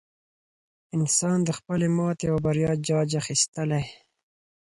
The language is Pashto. انسان د خپلې ماتې او بریا جاج اخیستلی.